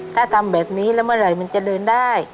ถ้าทำแบบนี้แล้วเมื่อไหร่มันจะเดินได้